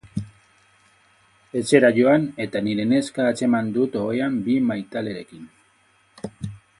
Etxera joan eta nire neska atzeman dut ohean bi maitalerekin.